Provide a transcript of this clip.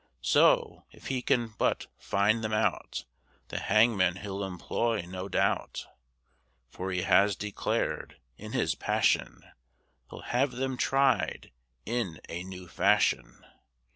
So, if he can but find them out, The hangman he'll employ, no doubt: For he has declared, in his passion, "He'll have them tried in a new fashion."